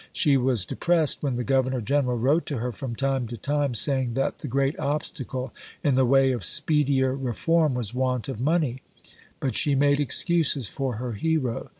She was depressed when the Governor General wrote to her from time to time saying that the great obstacle in the way of speedier reform was want of money; but she made excuses for her hero.